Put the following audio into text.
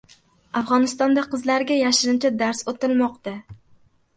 Afg‘onistonda qizlarga yashirincha dars o‘tilmoqda